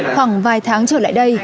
khoảng vài tháng trở lại đây